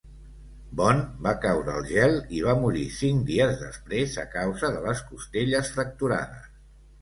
Bond va caure al gel i va morir cinc dies després a causa de les costelles fracturades.